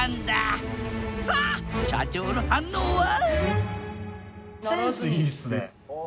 さあ社長の反応は？